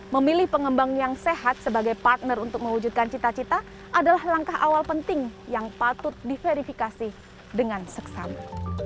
memilih pengembang yang sehat sebagai partner untuk mewujudkan cita cita adalah langkah awal penting yang patut diverifikasi dengan seksama